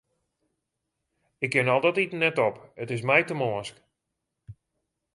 Ik kin al dat iten net op, it is my te mânsk.